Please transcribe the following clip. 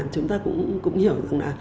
chúng ta cũng hiểu